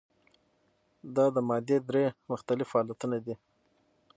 دا د مادې درې مختلف حالتونه دي.